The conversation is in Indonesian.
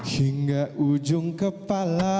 hingga ujung kepala